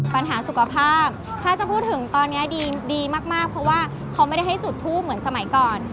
ปัญหาสุขภาพถ้าจะพูดถึงตอนนี้ดีมากเพราะว่าเขาไม่ได้ให้จุดทูปเหมือนสมัยก่อน